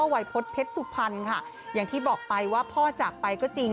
วัยพฤษเพชรสุพรรณค่ะอย่างที่บอกไปว่าพ่อจากไปก็จริง